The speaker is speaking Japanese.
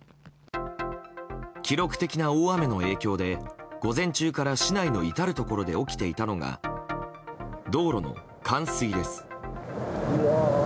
記録的な大雨の影響で午前中から市内の至るところで起きていたのが道路の冠水です。